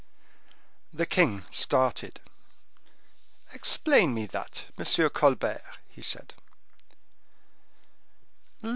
The king started. "Explain me that, M. Colbert," he said.